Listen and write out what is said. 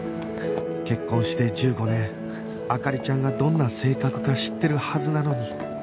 結婚して１５年灯ちゃんがどんな性格か知ってるはずなのに